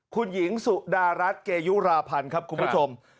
คุณหญิงสุดารัฐเกยุราพันธ์ครับคุณผู้ชม